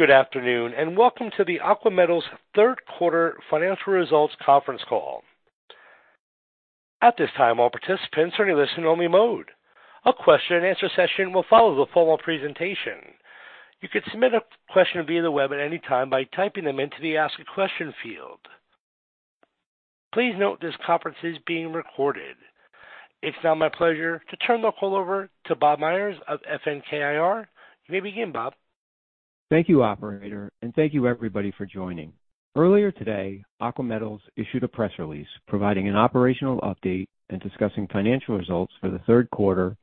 Good afternoon, and welcome to the Aqua Metals third quarter financial results conference call. At this time, all participants are in listen-only mode. A question and answer session will follow the formal presentation. You can submit a question via the web at any time by typing them into the Ask a Question field. Please note, this conference is being recorded. It's now my pleasure to turn the call over to Bob Meyers of FNK IR. You may begin, Bob. Thank you, operator, and thank you everybody for joining. Earlier today, Aqua Metals issued a press release providing an operational update and discussing financial results for the third quarter,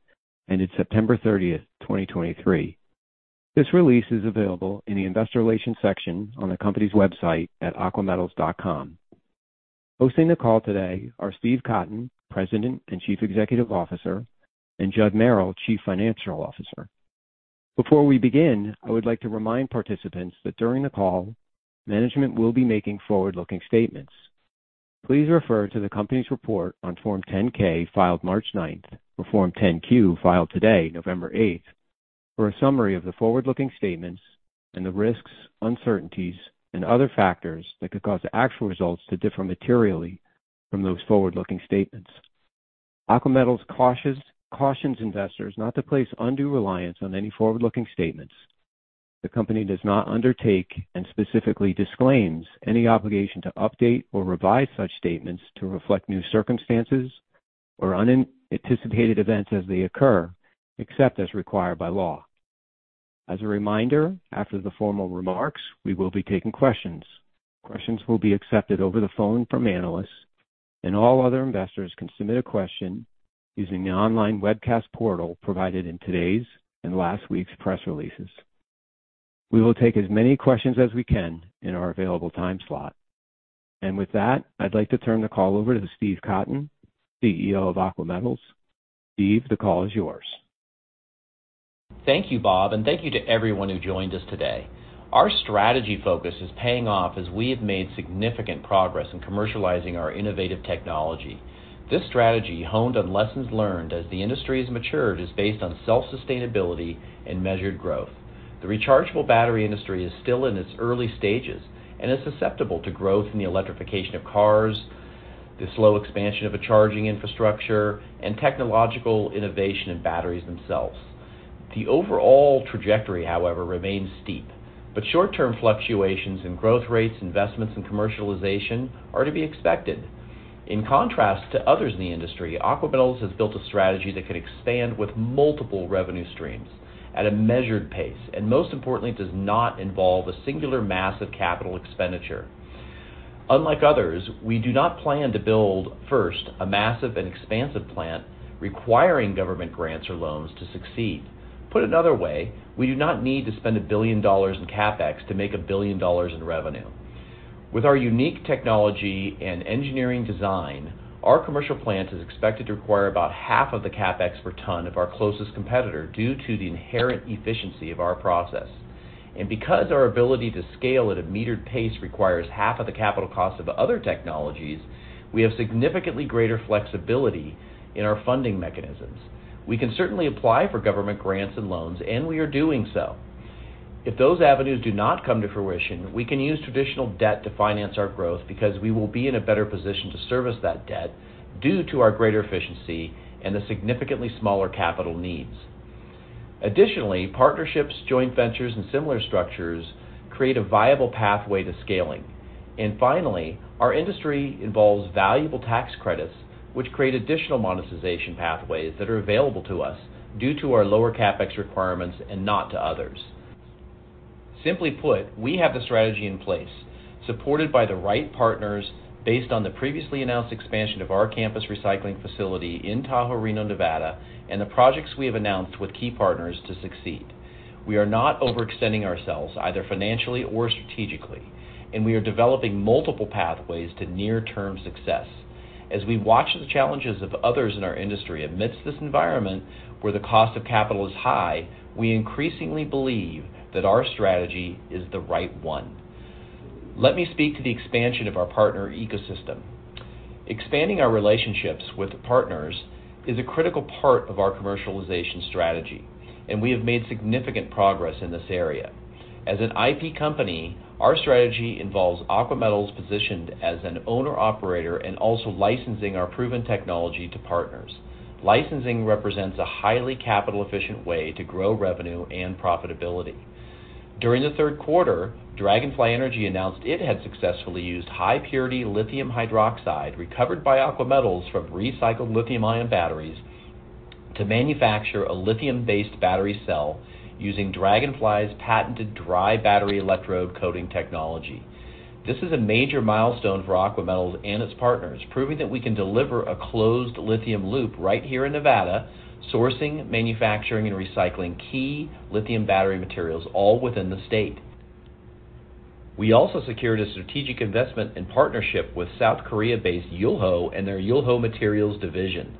ending September 30th, 2023. This release is available in the Investor Relations section on the company's website at aquametals.com. Hosting the call today are Steve Cotton, President and Chief Executive Officer, and Judd Merrill, Chief Financial Officer. Before we begin, I would like to remind participants that during the call, management will be making forward-looking statements. Please refer to the company's report on Form 10-K filed March 9th or Form 10-Q, filed today, November 8th, for a summary of the forward-looking statements and the risks, uncertainties, and other factors that could cause actual results to differ materially from those forward-looking statements. Aqua Metals cautions investors not to place undue reliance on any forward-looking statements. The company does not undertake and specifically disclaims any obligation to update or revise such statements to reflect new circumstances or unanticipated events as they occur, except as required by law. As a reminder, after the formal remarks, we will be taking questions. Questions will be accepted over the phone from analysts, and all other investors can submit a question using the online webcast portal provided in today's and last week's press releases. We will take as many questions as we can in our available time slot. With that, I'd like to turn the call over to Steve Cotton, CEO of Aqua Metals. Steve, the call is yours. Thank you, Bob, and thank you to everyone who joined us today. Our strategy focus is paying off as we have made significant progress in commercializing our innovative technology. This strategy, honed on lessons learned as the industry has matured, is based on self-sustainability and measured growth. The rechargeable battery industry is still in its early stages and is susceptible to growth in the electrification of cars, the slow expansion of a charging infrastructure, and technological innovation in batteries themselves. The overall trajectory, however, remains steep, but short-term fluctuations in growth rates, investments, and commercialization are to be expected. In contrast to others in the industry, Aqua Metals has built a strategy that can expand with multiple revenue streams at a measured pace, and most importantly, does not involve a singular massive capital expenditure. Unlike others, we do not plan to build first a massive and expansive plant requiring government grants or loans to succeed. Put another way, we do not need to spend $1 billion in CapEx to make $1 billion in revenue. With our unique technology and engineering design, our commercial plant is expected to require about half of the CapEx per ton of our closest competitor, due to the inherent efficiency of our process. And because our ability to scale at a metered pace requires half of the capital cost of other technologies, we have significantly greater flexibility in our funding mechanisms. We can certainly apply for government grants and loans, and we are doing so. If those avenues do not come to fruition, we can use traditional debt to finance our growth because we will be in a better position to service that debt due to our greater efficiency and the significantly smaller capital needs. Additionally, partnerships, joint ventures, and similar structures create a viable pathway to scaling. And finally, our industry involves valuable tax credits, which create additional monetization pathways that are available to us due to our lower CapEx requirements and not to others. Simply put, we have the strategy in place, supported by the right partners, based on the previously announced expansion of our campus recycling facility in Tahoe-Reno, Nevada, and the projects we have announced with key partners to succeed. We are not overextending ourselves, either financially or strategically, and we are developing multiple pathways to near-term success. As we watch the challenges of others in our industry amidst this environment where the cost of capital is high, we increasingly believe that our strategy is the right one. Let me speak to the expansion of our partner ecosystem. Expanding our relationships with partners is a critical part of our commercialization strategy, and we have made significant progress in this area. As an IP company, our strategy involves Aqua Metals positioned as an owner-operator and also licensing our proven technology to partners. Licensing represents a highly capital-efficient way to grow revenue and profitability. During the third quarter, Dragonfly Energy announced it had successfully used high-purity lithium hydroxide, recovered by Aqua Metals from recycled lithium-ion batteries, to manufacture a lithium-based battery cell using Dragonfly's patented dry battery electrode coating technology. This is a major milestone for Aqua Metals and its partners, proving that we can deliver a closed lithium loop right here in Nevada, sourcing, manufacturing, and recycling key lithium battery materials all within the state. We also secured a strategic investment in partnership with South Korea-based Yulho and their Yulho Materials division.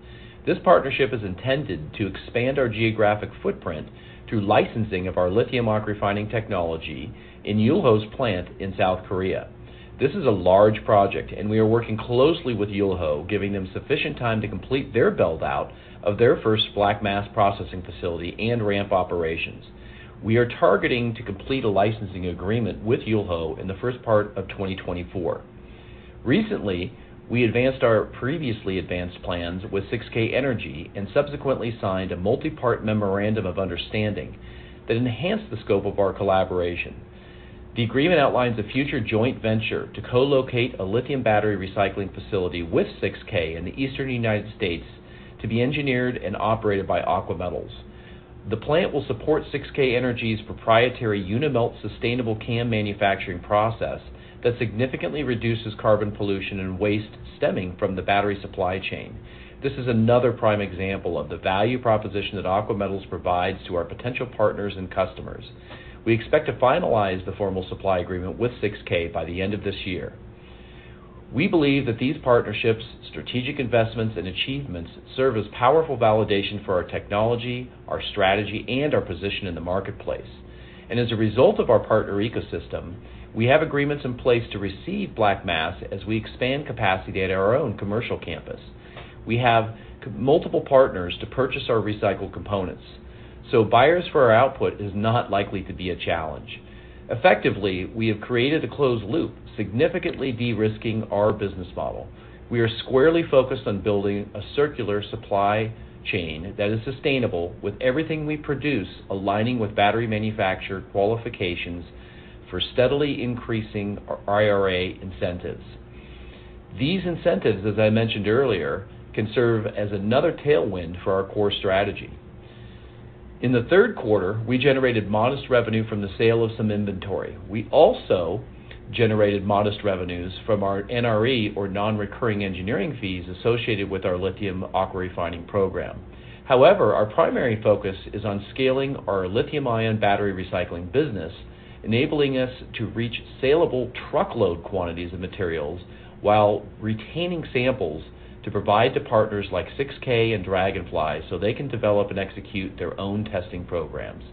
This partnership is intended to expand our geographic footprint through licensing of our lithium oxide refining technology in Yulho's plant in South Korea. This is a large project and we are working closely with Yulho, giving them sufficient time to complete their build-out of their first black mass processing facility and ramp operations. We are targeting to complete a licensing agreement with Yulho in the first part of 2024. Recently, we advanced our previously advanced plans with 6K Energy and subsequently signed a multi-part memorandum of understanding that enhanced the scope of our collaboration. The agreement outlines a future joint venture to co-locate a lithium battery recycling facility with 6K in the eastern United States, to be engineered and operated by Aqua Metals. The plant will support 6K Energy's proprietary UniMelt sustainable CAM manufacturing process that significantly reduces carbon pollution and waste stemming from the battery supply chain. This is another prime example of the value proposition that Aqua Metals provides to our potential partners and customers. We expect to finalize the formal supply agreement with 6K by the end of this year. We believe that these partnerships, strategic investments, and achievements serve as powerful validation for our technology, our strategy, and our position in the marketplace. As a result of our partner ecosystem, we have agreements in place to receive black mass as we expand capacity at our own commercial campus. We have multiple partners to purchase our recycled components, so buyers for our output is not likely to be a challenge. Effectively, we have created a closed loop, significantly de-risking our business model. We are squarely focused on building a circular supply chain that is sustainable, with everything we produce aligning with battery manufacturer qualifications for steadily increasing our IRA incentives. These incentives, as I mentioned earlier, can serve as another tailwind for our core strategy. In the third quarter, we generated modest revenue from the sale of some inventory. We also generated modest revenues from our NRE, or non-recurring engineering fees, associated with our lithium AquaRefining program. However, our primary focus is on scaling our lithium-ion battery recycling business, enabling us to reach salable truckload quantities of materials while retaining samples to provide to partners like 6K and Dragonfly, so they can develop and execute their own testing programs.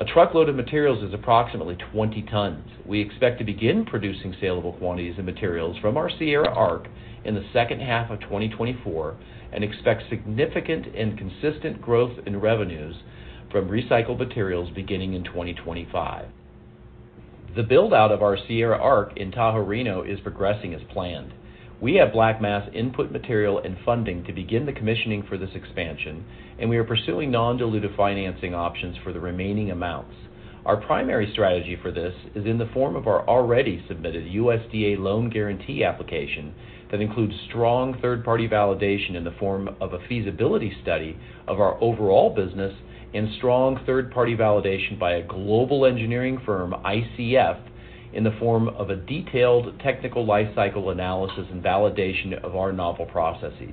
A truckload of materials is approximately 20 tons. We expect to begin producing salable quantities of materials from our Sierra ARC in the second half of 2024 and expect significant and consistent growth in revenues from recycled materials beginning in 2025. The build-out of our Sierra ARC in Tahoe-Reno is progressing as planned. We have black mass input material and funding to begin the commissioning for this expansion, and we are pursuing non-dilutive financing options for the remaining amounts. Our primary strategy for this is in the form of our already submitted USDA loan guarantee application that includes strong third-party validation in the form of a feasibility study of our overall business, and strong third-party validation by a global engineering firm, ICF, in the form of a detailed technical life cycle analysis and validation of our novel processes.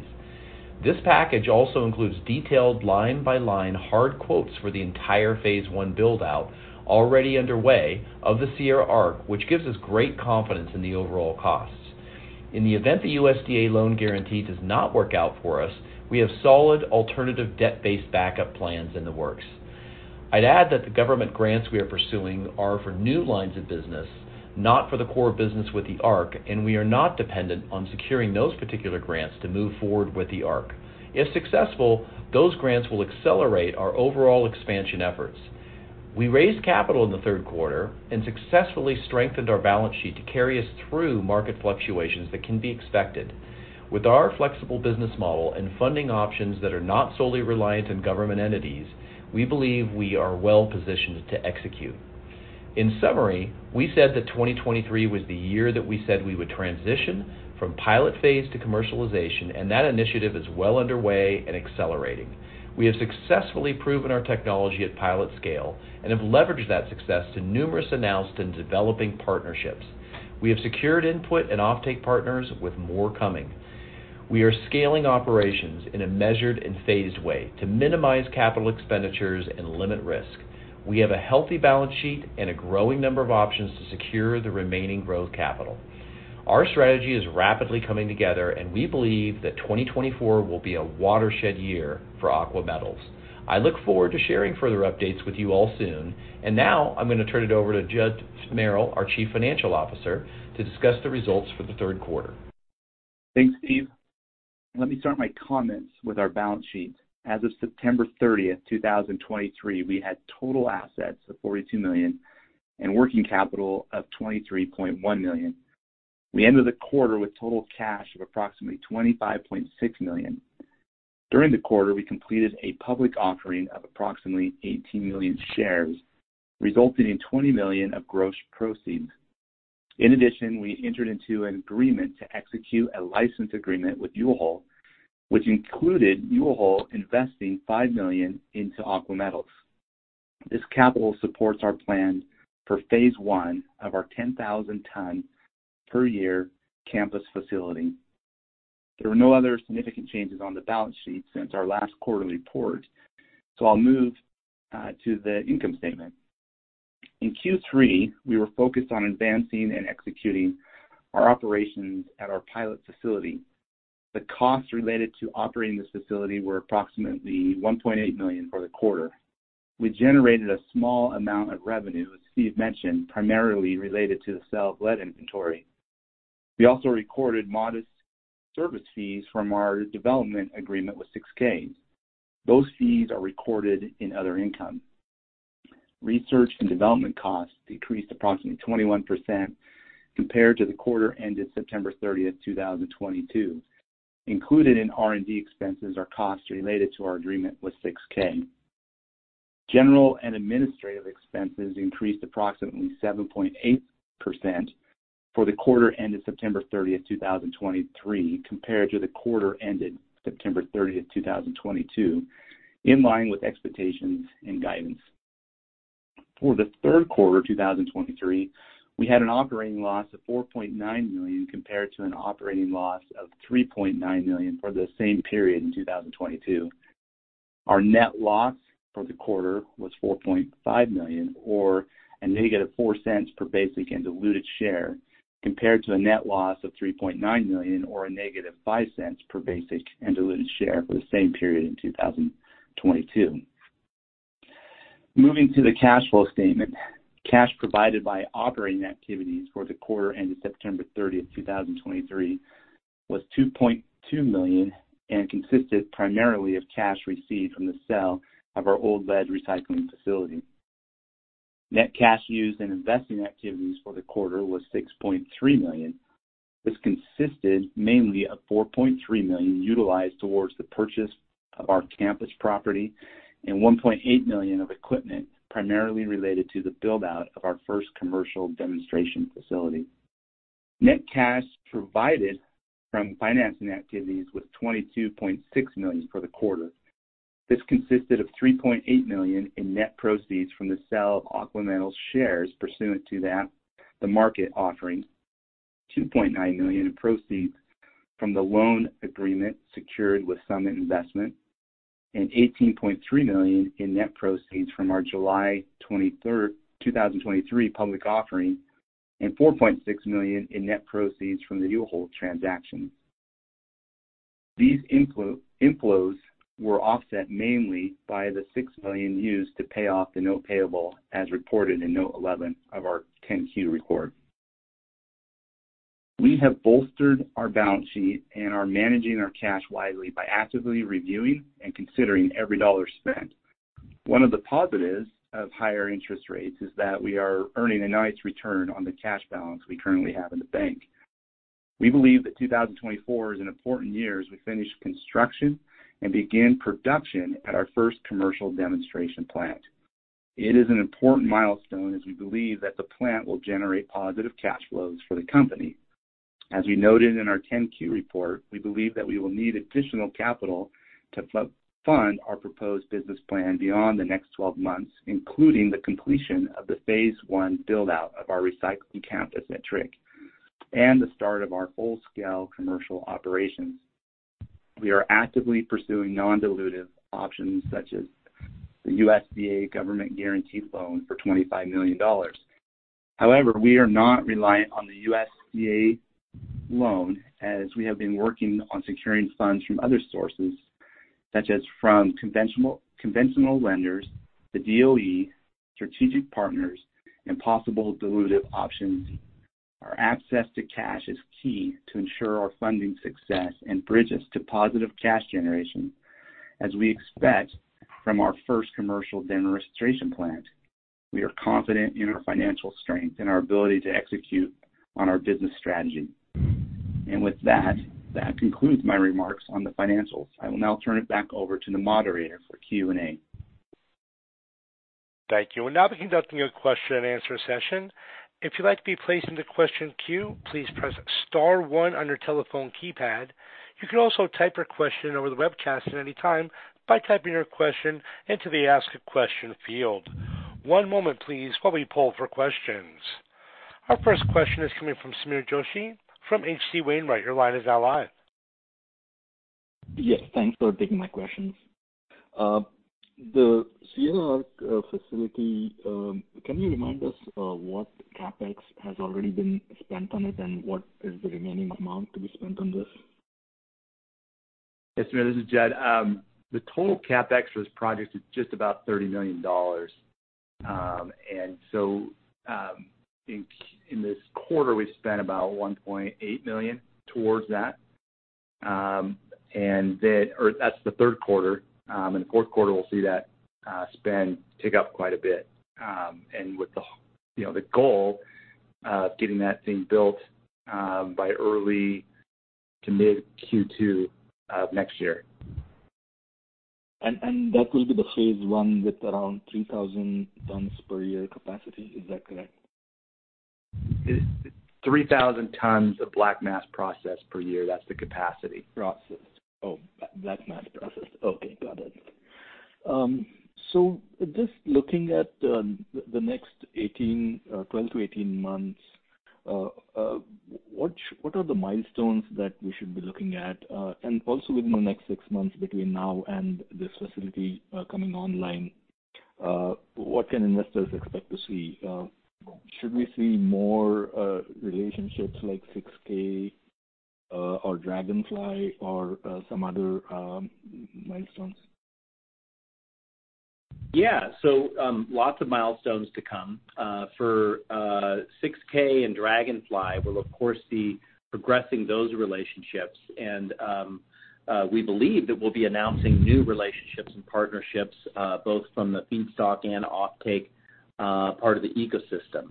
This package also includes detailed line-by-line hard quotes for the entire Phase One build-out already underway of the Sierra ARC, which gives us great confidence in the overall costs. In the event the USDA loan guarantee does not work out for us, we have solid alternative debt-based backup plans in the works. I'd add that the government grants we are pursuing are for new lines of business, not for the core business with the ARC, and we are not dependent on securing those particular grants to move forward with the ARC. If successful, those grants will accelerate our overall expansion efforts. We raised capital in the third quarter and successfully strengthened our balance sheet to carry us through market fluctuations that can be expected. With our flexible business model and funding options that are not solely reliant on government entities, we believe we are well positioned to execute. In summary, we said that 2023 was the year that we said we would transition from pilot phase to commercialization, and that initiative is well underway and accelerating. We have successfully proven our technology at pilot scale and have leveraged that success to numerous announced and developing partnerships. We have secured input and offtake partners with more coming. We are scaling operations in a measured and phased way to minimize capital expenditures and limit risk. We have a healthy balance sheet and a growing number of options to secure the remaining growth capital. Our strategy is rapidly coming together, and we believe that 2024 will be a watershed year for Aqua Metals. I look forward to sharing further updates with you all soon. Now I'm going to turn it over to Judd Merrill, our Chief Financial Officer, to discuss the results for the third quarter. Thanks, Steve. Let me start my comments with our balance sheet. As of September 30th, 2023, we had total assets of $42 million and working capital of $23.1 million. We ended the quarter with total cash of approximately $25.6 million. During the quarter, we completed a public offering of approximately 18 million shares, resulting in $20 million of gross proceeds. In addition, we entered into an agreement to execute a license agreement with Yulho, which included Yulho investing $5 million into Aqua Metals. This capital supports our plan for Phase One of our 10,000 ton per year campus facility. There are no other significant changes on the balance sheet since our last quarterly report, so I'll move to the income statement. In Q3, we were focused on advancing and executing our operations at our pilot facility. The costs related to operating this facility were approximately $1.8 million for the quarter. We generated a small amount of revenue, as Steve mentioned, primarily related to the sale of lead inventory. We also recorded modest service fees from our development agreement with 6K. Those fees are recorded in other income. Research and development costs decreased approximately 21% compared to the quarter ended September 30th, 2022. Included in R&D expenses are costs related to our agreement with 6K. General and administrative expenses increased approximately 7.8% for the quarter ended September 30th, 2023, compared to the quarter ended September 30th, 2022, in line with expectations and guidance. For the third quarter of 2023, we had an operating loss of $4.9 million, compared to an operating loss of $3.9 million for the same period in 2022. Our net loss for the quarter was $4.5 million or -$0.04 per basic and diluted share, compared to a net loss of $3.9 million or -$0.05 per basic and diluted share for the same period in 2022. Moving to the cash flow statement. Cash provided by operating activities for the quarter ended September 30th, 2023, was $2.2 million and consisted primarily of cash received from the sale of our old lead recycling facility. Net cash used in investing activities for the quarter was $6.3 million. This consisted mainly of $4.3 million utilized towards the purchase of our campus property and $1.8 million of equipment, primarily related to the build-out of our first commercial demonstration facility. Net cash provided from financing activities was $22.6 million for the quarter. This consisted of $3.8 million in net proceeds from the sale of Aqua Metals shares pursuant to the at-the-market offering, $2.9 million in proceeds from the loan agreement secured with Summit Investment, and $18.3 million in net proceeds from our July 23rd, 2023 public offering, and $4.6 million in net proceeds from the Yulho transaction. These inflows were offset mainly by the $6 million used to pay off the note payable, as reported in Note 11 of our 10-Q report. We have bolstered our balance sheet and are managing our cash wisely by actively reviewing and considering every dollar spent. One of the positives of higher interest rates is that we are earning a nice return on the cash balance we currently have in the bank. We believe that 2024 is an important year as we finish construction and begin production at our first commercial demonstration plant. It is an important milestone as we believe that the plant will generate positive cash flows for the company. As we noted in our 10-Q report, we believe that we will need additional capital to fund our proposed business plan beyond the next 12 months, including the completion of the Phase One build-out of our recycling campus at TRIC, and the start of our full-scale commercial operations. We are actively pursuing non-dilutive options, such as the USDA government guaranteed loan for $25 million. However, we are not reliant on the USDA loan as we have been working on securing funds from other sources, such as from conventional lenders, the DOE, strategic partners and possible dilutive options. Our access to cash is key to ensure our funding success and bridge us to positive cash generation. As we expect from our first commercial demonstration plant, we are confident in our financial strength and our ability to execute on our business strategy. And with that, that concludes my remarks on the financials. I will now turn it back over to the moderator for Q&A. Thank you. We'll now be conducting a question and answer session. If you'd like to be placed into question queue, please press star one on your telephone keypad. You can also type your question over the webcast at any time by typing your question into the Ask a Question field. One moment please, while we poll for questions. Our first question is coming from Sameer Joshi from H.C. Wainwright. Your line is now live. Yes, thanks for taking my questions. The ARC facility, can you remind us what CapEx has already been spent on it, and what is the remaining amount to be spent on this? Yes, Sameer, this is Judd. The total CapEx for this project is just about $30 million. And so, in this quarter, we spent about $1.8 million towards that. And then—or that's the third quarter. In the fourth quarter, we'll see that spend pick up quite a bit. And with the, you know, the goal of getting that thing built, by early to mid Q2 of next year. And that will be the Phase One with around 3,000 tons per year capacity. Is that correct? 3,000 tons of black mass processed per year. That's the capacity. Processed. Oh, black mass processed. Okay, got it. So just looking at the next 18, 12-18 months, what are the milestones that we should be looking at? And also within the next six months, between now and this facility coming online, what can investors expect to see? Should we see more relationships like 6K or Dragonfly or some other milestones? Yeah. So, lots of milestones to come. For 6K and Dragonfly, we'll of course be progressing those relationships. We believe that we'll be announcing new relationships and partnerships, both from the feedstock and offtake, part of the ecosystem.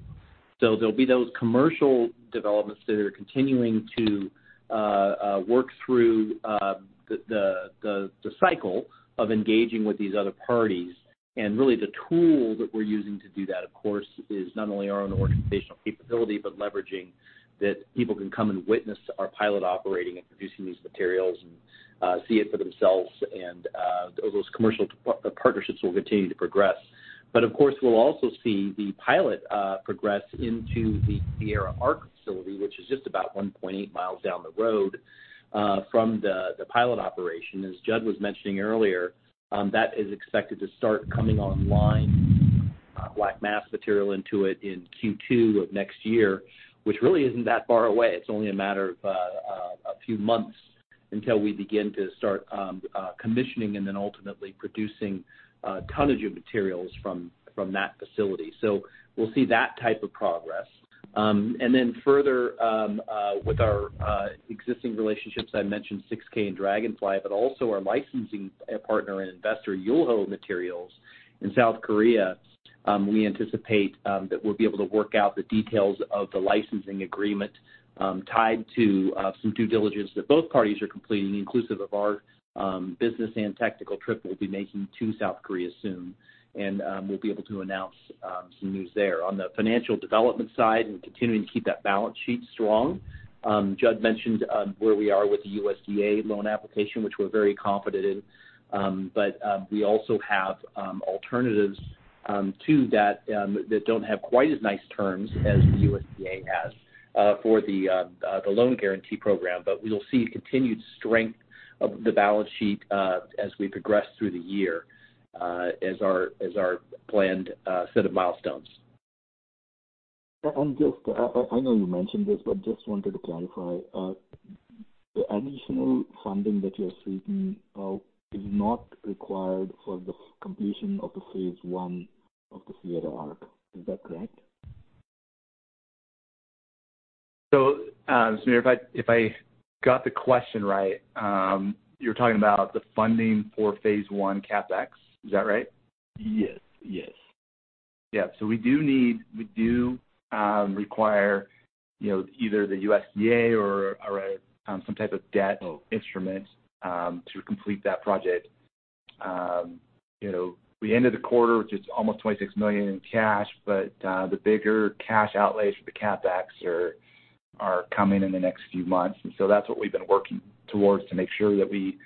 So there'll be those commercial developments that are continuing to work through the cycle of engaging with these other parties. And really, the tool that we're using to do that, of course, is not only our own organizational capability, but leveraging that people can come and witness our pilot operating and producing these materials and see it for themselves. And those commercial partnerships will continue to progress. But of course, we'll also see the pilot progress into the Sierra ARC facility, which is just about 1.8 mi down the road from the pilot operation. As Judd was mentioning earlier, that is expected to start coming online, black mass material into it in Q2 of next year, which really isn't that far away. It's only a matter of a few months until we begin to start commissioning and then ultimately producing tonnage of materials from that facility. So we'll see that type of progress. And then further with our existing relationships, I mentioned 6K and Dragonfly, but also our licensing partner and investor, Yulho Materials in South Korea. We anticipate that we'll be able to work out the details of the licensing agreement tied to some due diligence that both parties are completing, inclusive of our business and tactical trip we'll be making to South Korea soon. And we'll be able to announce some news there. On the financial development side, we're continuing to keep that balance sheet strong. Judd mentioned where we are with the USDA loan application, which we're very confident in. But we also have alternatives too that don't have quite as nice terms as the USDA has for the loan guarantee program. But we will see continued strength of the balance sheet as we progress through the year as our planned set of milestones. Just, I know you mentioned this, but just wanted to clarify. The additional funding that you are seeking, is not required for the completion of the Phase One of the Sierra ARC. Is that correct? So, Sameer, if I got the question right, you're talking about the funding for Phase One CapEx. Is that right? Yes. Yes. Yeah. So we do require, you know, either the USDA or some type of debt instrument to complete that project. You know, we ended the quarter, which is almost $26 million in cash, but the bigger cash outlays for the CapEx are coming in the next few months. And so that's what we've been working towards, to make sure that we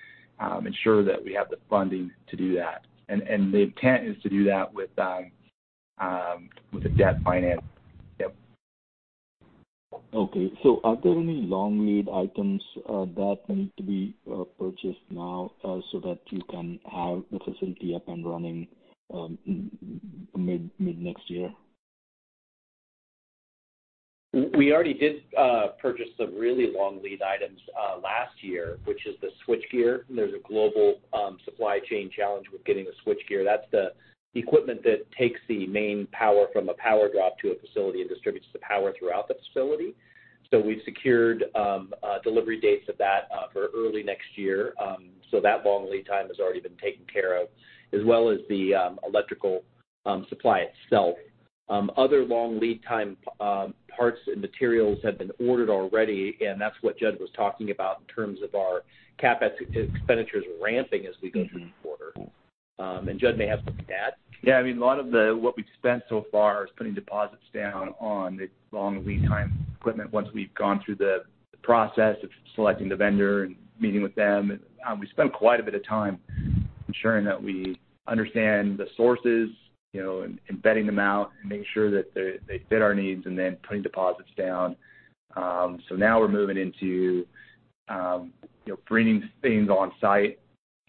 ensure that we have the funding to do that. And the intent is to do that with a debt finance. Yep. Okay. So are there any long lead items that need to be purchased now so that you can have the facility up and running mid-next year? We already did purchase the really long lead items last year, which is the switchgear. There's a global supply chain challenge with getting the switchgear. That's the equipment that takes the main power from a power drop to a facility and distributes the power throughout the facility. So we've secured delivery dates of that for early next year. So that long lead time has already been taken care of, as well as the electrical supply itself. Other long lead time parts and materials have been ordered already, and that's what Judd was talking about in terms of our CapEx expenditures ramping as we go through the quarter. And Judd may have something to add. Yeah, I mean, a lot of the what we've spent so far is putting deposits down on the long lead time equipment. Once we've gone through the process of selecting the vendor and meeting with them, we spent quite a bit of time ensuring that we understand the sources, you know, and vetting them out and making sure that they fit our needs and then putting deposits down. So now we're moving into, you know, bringing things on site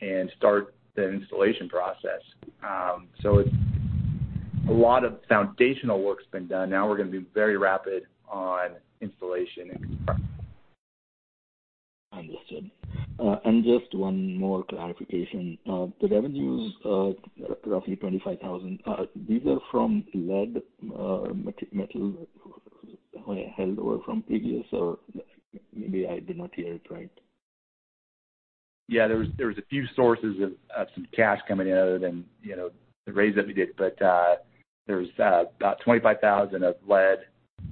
and start the installation process. So it's a lot of foundational work's been done. Now we're gonna be very rapid on installation and construction. Understood. Just one more clarification. The revenues, roughly $25,000, these are from lead metal held over from previous, or maybe I did not hear it right? Yeah, there was a few sources of some cash coming in other than, you know, the raise that we did. But there's about $25,000 of lead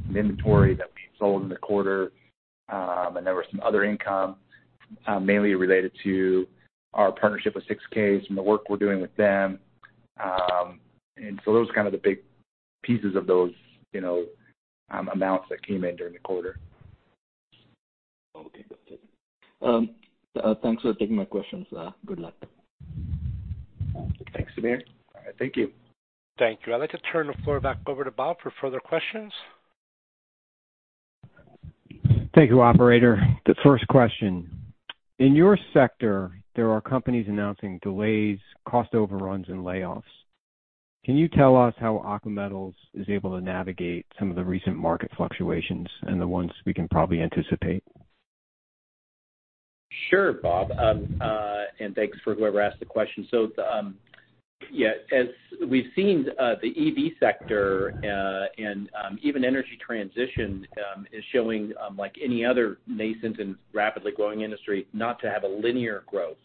in inventory that we sold in the quarter. And there were some other income mainly related to our partnership with 6K and the work we're doing with them. And so those are kind of the big pieces of those, you know, amounts that came in during the quarter. Okay. Thanks for taking my questions. Good luck. Thanks, Sameer. All right. Thank you. Thank you. I'd like to turn the floor back over to Bob for further questions. Thank you, operator. The first question: In your sector, there are companies announcing delays, cost overruns, and layoffs. Can you tell us how Aqua Metals is able to navigate some of the recent market fluctuations and the ones we can probably anticipate? Sure, Bob. And thanks for whoever asked the question. So, yeah, as we've seen, the EV sector and even energy transition is showing, like any other nascent and rapidly growing industry, not to have a linear growth.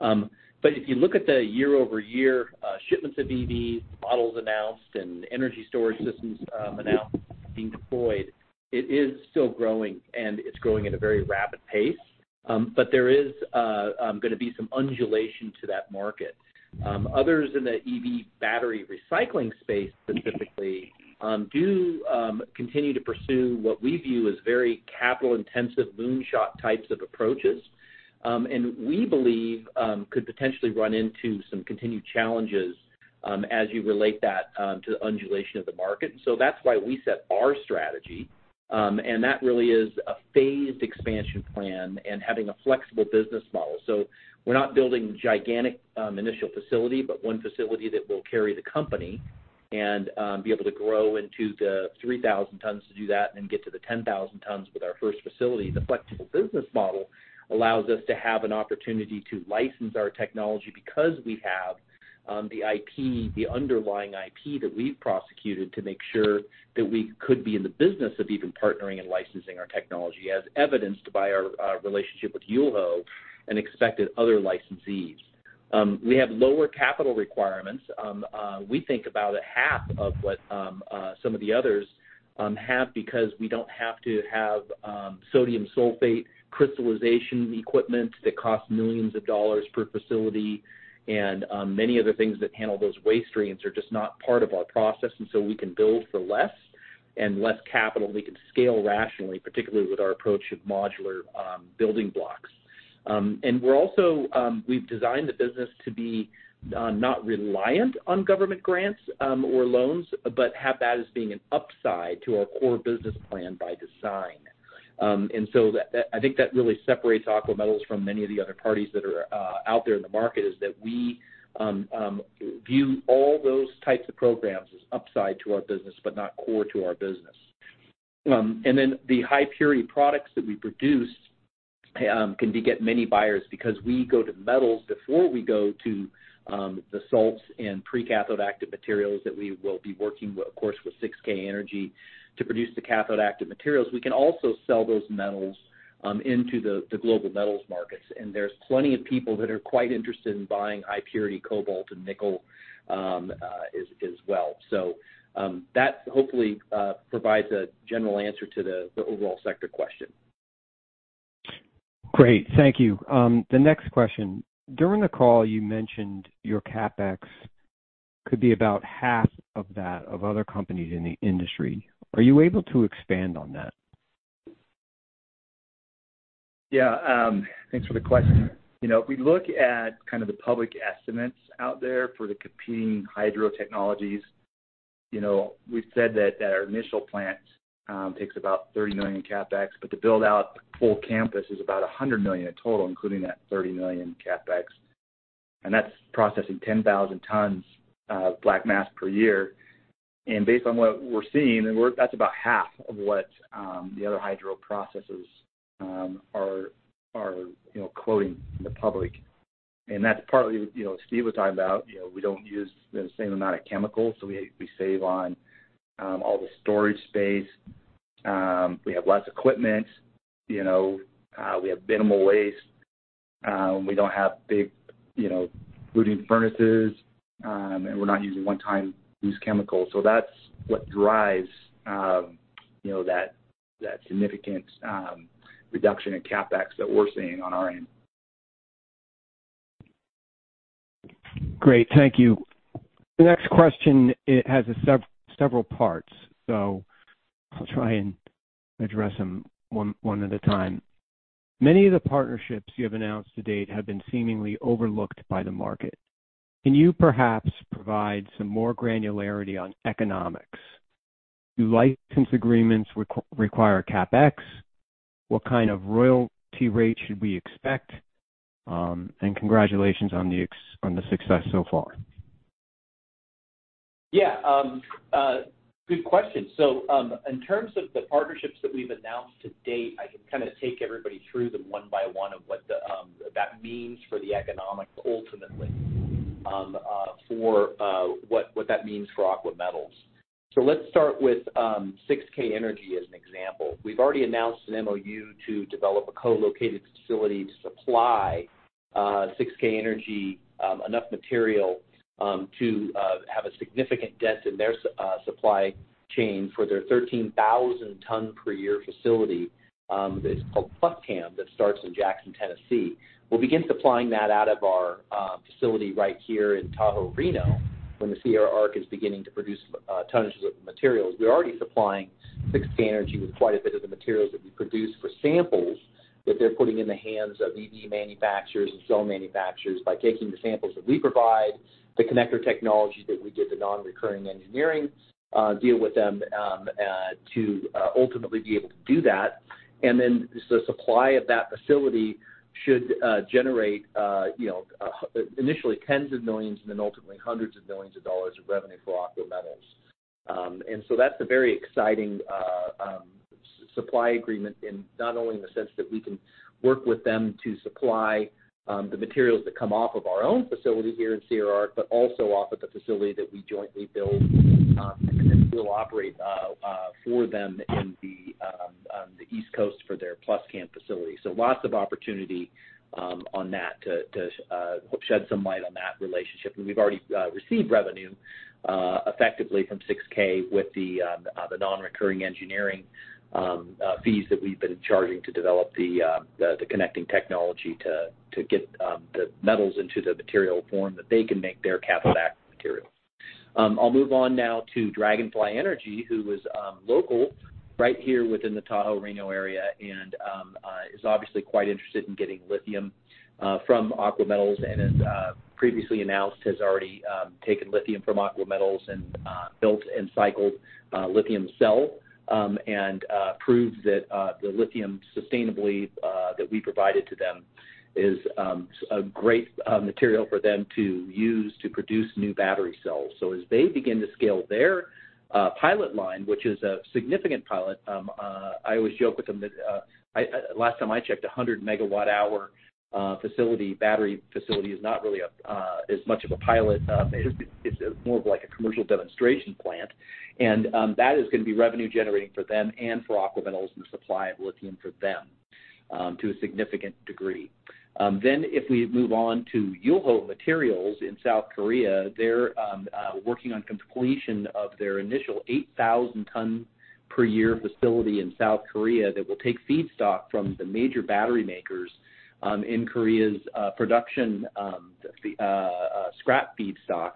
But if you look at the year-over-year shipments of EV, models announced, and energy storage systems, announced being deployed, it is still growing, and it's growing at a very rapid pace. But there is gonna be some undulation to that market. Others in the EV battery recycling space, specifically, do continue to pursue what we view as very capital-intensive, moonshot types of approaches. And we believe could potentially run into some continued challenges, as you relate that to the undulation of the market. So that's why we set our strategy, and that really is a phased expansion plan and having a flexible business model. So we're not building a gigantic, initial facility, but one facility that will carry the company and, be able to grow into the 3,000 tons to do that, and then get to the 10,000 tons with our first facility. The flexible business model allows us to have an opportunity to license our technology, because we have, the IP, the underlying IP, that we've prosecuted, to make sure that we could be in the business of even partnering and licensing our technology, as evidenced by our, our relationship with Yulho and expected other licensees. We have lower capital requirements. We think about a half of what some of the others have, because we don't have to have sodium sulfate crystallization equipment that costs millions of dollars per facility. Many of the things that handle those waste streams are just not part of our process, and so we can build for less and less capital. We can scale rationally, particularly with our approach of modular building blocks. We've designed the business to be not reliant on government grants or loans, but have that as being an upside to our core business plan by design. And so that, I think that really separates Aqua Metals from many of the other parties that are out there in the market, is that we view all those types of programs as upside to our business, but not core to our business. And then the high-purity products that we produce can beget many buyers because we go to metals before we go to the salts and pre-cathode active materials that we will be working with, of course, with 6K Energy to produce the cathode active materials. We can also sell those metals into the global metals markets, and there's plenty of people that are quite interested in buying high-purity cobalt and nickel as well. So, that hopefully provides a general answer to the overall sector question. Great, thank you. The next question: during the call, you mentioned your CapEx could be about half of that of other companies in the industry. Are you able to expand on that? Yeah, thanks for the question. You know, if we look at kind of the public estimates out there for the competing hydro technologies, you know, we've said that our initial plant takes about $30 million in CapEx, but to build out the full campus is about $100 million in total, including that $30 million CapEx, and that's processing 10,000 tons of black mass per year. And based on what we're seeing, that's about half of what the other hydro processors are, you know, quoting the public. And that's partly, you know, Steve was talking about, you know, we don't use the same amount of chemicals, so we save on all the storage space. We have less equipment, you know, we have minimal waste. We don't have big, you know, huge furnaces, and we're not using one-time-use chemicals. So that's what drives, you know, that significant reduction in CapEx that we're seeing on our end. Great, thank you. The next question, it has several parts, so I'll try and address them one at a time. Many of the partnerships you have announced to date have been seemingly overlooked by the market. Can you perhaps provide some more granularity on economics? Do license agreements require CapEx? What kind of royalty rate should we expect? And congratulations on the success so far. Yeah, good question. So, in terms of the partnerships that we've announced to date, I can kind of take everybody through them one by one of what the, that means for the economics ultimately, for, what, what that means for Aqua Metals. So let's start with, 6K Energy as an example. We've already announced an MOU to develop a co-located facility to supply, 6K Energy, enough material, to, have a significant dent in their supply chain for their 13,000-ton per year facility. It's called PlusCAM, that starts in Jackson, Tennessee. We'll begin supplying that out of our, facility right here in Tahoe-Reno, when the Sierra ARC is beginning to produce, tonnages of materials. We're already supplying 6K Energy with quite a bit of the materials that we produce for samples, that they're putting in the hands of EV manufacturers and cell manufacturers, by taking the samples that we provide, the connector technology that we did, the non-recurring engineering deal with them, to ultimately be able to do that. And then the supply of that facility should generate, you know, initially tens of millions and then ultimately hundreds of millions of dollars of revenue for Aqua Metals. And so that's a very exciting supply agreement, in not only in the sense that we can work with them to supply the materials that come off of our own facility here in Sierra ARC, but also off of the facility that we jointly build, and then we'll operate for them in the East Coast for their PlusCAM facility. So lots of opportunity on that to shed some light on that relationship. And we've already received revenue effectively from 6K with the non-recurring engineering fees that we've been charging to develop the connecting technology to get the metals into the material form that they can make their cathode active material. I'll move on now to Dragonfly Energy, who is local, right here within the Tahoe-Reno area, and is obviously quite interested in getting lithium from Aqua Metals, and as previously announced, has already taken lithium from Aqua Metals and built and cycled lithium cells. And proves that the lithium sustainably that we provided to them is a great material for them to use to produce new battery cells. So as they begin to scale their pilot line, which is a significant pilot, I always joke with them that last time I checked, a 100 MWh facility, battery facility is not really as much of a pilot. It's, it's more of like a commercial demonstration plant, and, that is going to be revenue generating for them and for Aqua Metals in the supply of lithium for them, to a significant degree. Then, if we move on to Yulho Materials in South Korea, they're, working on completion of their initial 8,000-ton-per-year facility in South Korea that will take feedstock from the major battery makers, in Korea's production, scrap feedstock,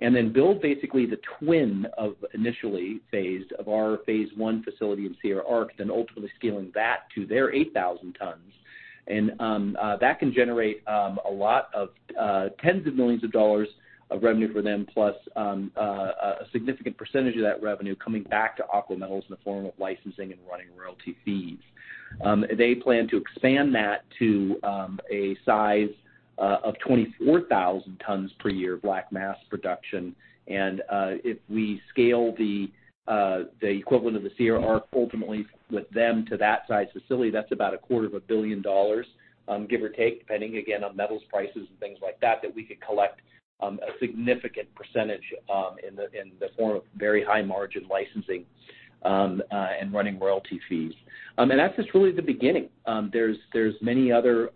and then build basically the twin of initially phased of our Phase One facility in Sierra ARC, then ultimately scaling that to their 8,000 tons. That can generate a lot of tens of millions of revenue for them, plus a significant percentage of that revenue coming back to Aqua Metals in the form of licensing and running royalty fees. They plan to expand that to a size of 24,000 tons per year black mass production. If we scale the equivalent of the Sierra ARC ultimately with them to that size facility, that's about $250 million, give or take, depending again on metals prices and things like that, that we could collect a significant percentage in the form of very high margin licensing and running royalty fees. That's just really the beginning. There's many other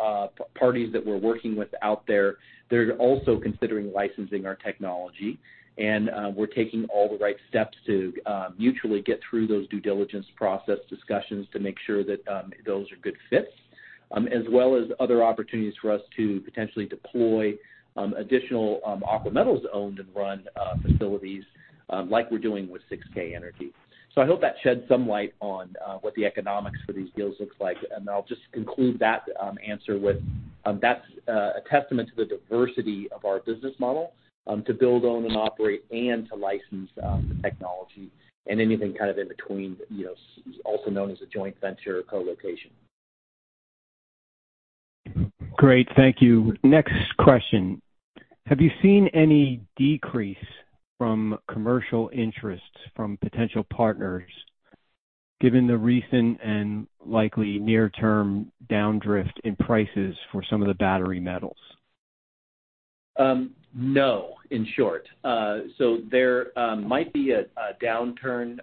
parties that we're working with out there that are also considering licensing our technology. We're taking all the right steps to mutually get through those due diligence process discussions to make sure that those are good fits. As well as other opportunities for us to potentially deploy additional Aqua Metals-owned and run facilities like we're doing with 6K Energy. So I hope that sheds some light on what the economics for these deals looks like, and I'll just conclude that answer with that's a testament to the diversity of our business model to build, own, and operate and to license the technology and anything kind of in between, you know, also known as a joint venture or co-location. Great, thank you. Next question: Have you seen any decrease from commercial interests from potential partners, given the recent and likely near-term downdrift in prices for some of the battery metals? No, in short. So there might be a downturn,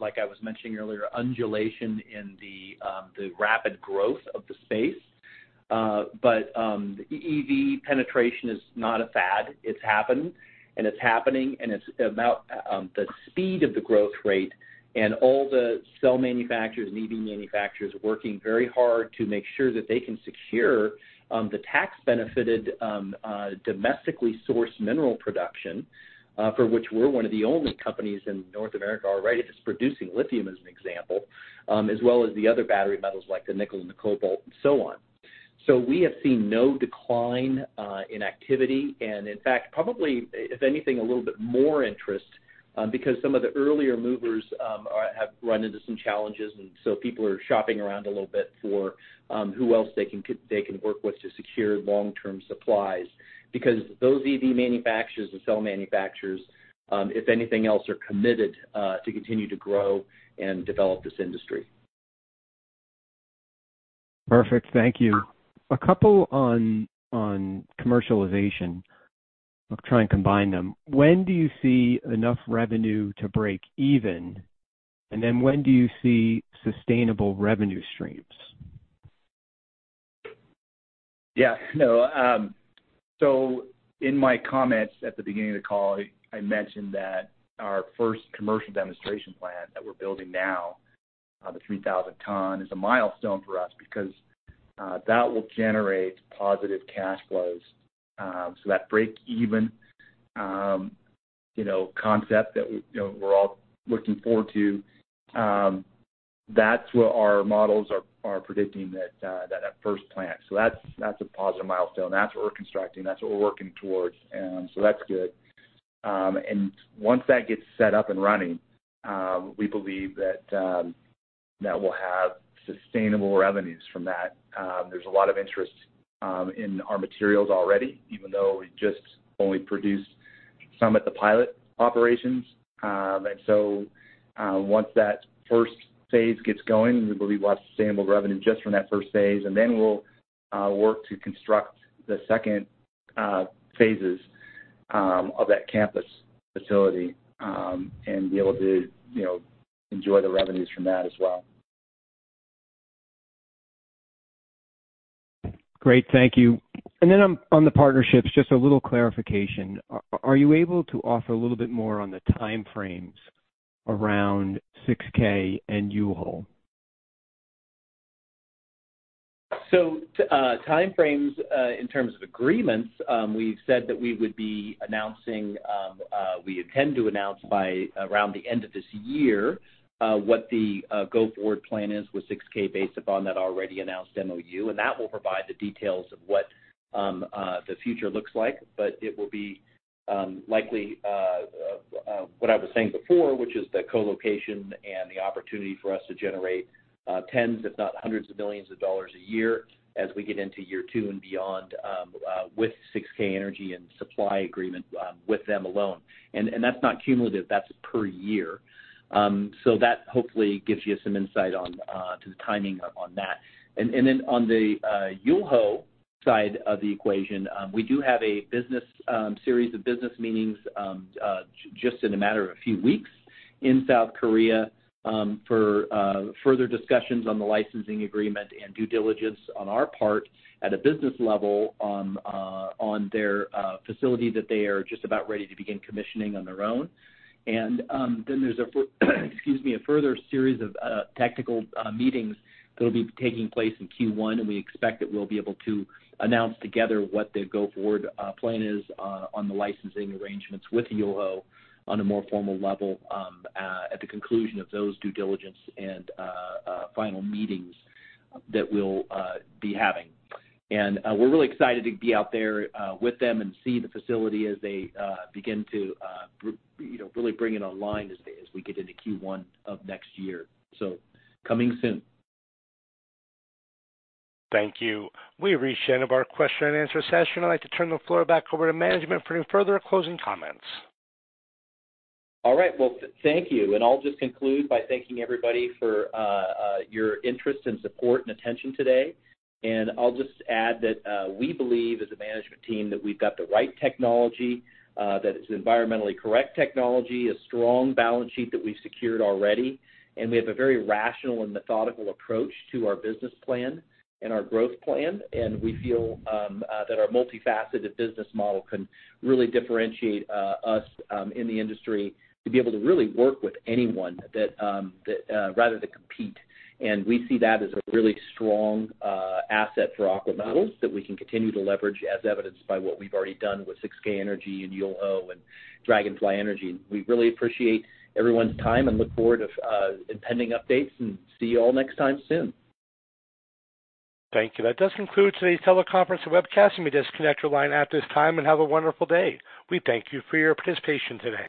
like I was mentioning earlier, undulation in the rapid growth of the space. But EV penetration is not a fad. It's happened, and it's happening, and it's about the speed of the growth rate and all the cell manufacturers and EV manufacturers are working very hard to make sure that they can secure the tax-benefited domestically sourced mineral production, for which we're one of the only companies in North America already that's producing lithium, as an example, as well as the other battery metals like the nickel and the cobalt and so on. So we have seen no decline in activity, and in fact, probably, if anything, a little bit more interest, because some of the earlier movers have run into some challenges, and so people are shopping around a little bit for who else they can work with to secure long-term supplies. Because those EV manufacturers and cell manufacturers, if anything else, are committed to continue to grow and develop this industry. Perfect. Thank you. A couple on commercialization. I'll try and combine them. When do you see enough revenue to break even? And then when do you see sustainable revenue streams? Yeah. No, so in my comments at the beginning of the call, I mentioned that our first commercial demonstration plant that we're building now, the 3,000-ton, is a milestone for us because that will generate positive cash flows. So that break even, you know, concept that we, you know, we're all looking forward to, that's what our models are predicting that, that first plant. So that's, that's a positive milestone. That's what we're constructing, that's what we're working towards, and so that's good. And once that gets set up and running, we believe that, that we'll have sustainable revenues from that. There's a lot of interest in our materials already, even though we just only produced some at the pilot operations. And so, once that first phase gets going, we believe we'll have sustainable revenue just from that first phase, and then we'll work to construct the second phases of that campus facility, and be able to, you know, enjoy the revenues from that as well. Great, thank you. And then on the partnerships, just a little clarification. Are you able to offer a little bit more on the time frames around 6K and Yulho? So time frames, in terms of agreements, we've said that we would be announcing, we intend to announce by around the end of this year, what the go-forward plan is with 6K, based upon that already announced MOU. And that will provide the details of what the future looks like. But it will be likely what I was saying before, which is the co-location and the opportunity for us to generate tens, if not hundreds of millions of dollars a year as we get into year two and beyond, with 6K Energy and supply agreement with them alone. And that's not cumulative, that's per year. So that hopefully gives you some insight on to the timing on that. And then on the Yulho side of the equation, we do have a business series of business meetings just in a matter of a few weeks in South Korea for further discussions on the licensing agreement and due diligence on our part at a business level on their facility that they are just about ready to begin commissioning on their own. And then there's a, excuse me, a further series of technical meetings that will be taking place in Q1, and we expect that we'll be able to announce together what the go-forward plan is on the licensing arrangements with Yulho on a more formal level at the conclusion of those due diligence and final meetings that we'll be having. We're really excited to be out there with them and see the facility as they begin to, you know, really bring it online as we get into Q1 of next year. So coming soon. Thank you. We've reached the end of our question and answer session. I'd like to turn the floor back over to management for any further closing comments. All right. Well, thank you. And I'll just conclude by thanking everybody for your interest and support and attention today. And I'll just add that we believe, as a management team, that we've got the right technology that it's an environmentally correct technology, a strong balance sheet that we've secured already, and we have a very rational and methodical approach to our business plan and our growth plan. And we feel that our multifaceted business model can really differentiate us in the industry to be able to really work with anyone that rather than compete. And we see that as a really strong asset for Aqua Metals, that we can continue to leverage, as evidenced by what we've already done with 6K Energy and Yulho and Dragonfly Energy. We really appreciate everyone's time and look forward to impending updates, and see you all next time soon. Thank you. That does conclude today's teleconference and webcast. You may disconnect your line at this time and have a wonderful day. We thank you for your participation today.